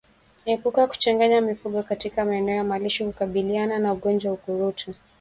Epuka kuchanganya mifugo katika maeneo ya malisho kukabiliana na ugonjwa wa ukurutu